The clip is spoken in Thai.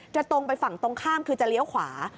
ตรงไปฝั่งตรงข้ามคือจะเลี้ยวขวา